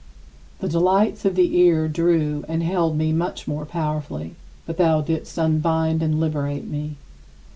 The delights of the ear drew and held me much more powerfully, but thou didst unbind and liberate me.